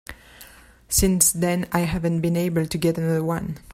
Since then I haven't been able to get another one.